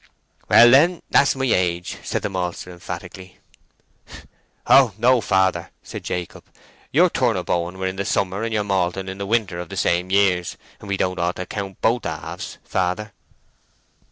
"Well, then, that's my age," said the maltster, emphatically. "O no, father!" said Jacob. "Your turnip hoeing were in the summer and your malting in the winter of the same years, and ye don't ought to count both halves, father."